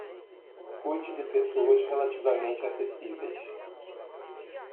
Cuide de pessoas relativamente acessíveis